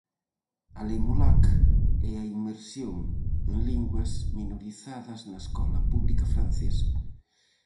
A Lei Molac e a inmersión en linguas minorizadas na escola pública francesa.